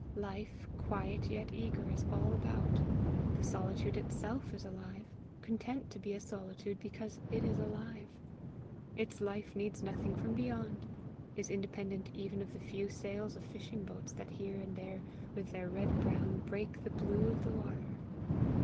Life, quiet yet eager, is all about; the solitude itself is alive, content to be a solitude because it is alive. Its life needs nothing from beyond is independent even of the few sails of fishing boats that here and there with their red brown break the blue of the water.